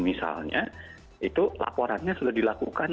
itu laporannya sudah dilakukan